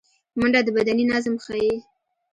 منډه د بدني نظم ښيي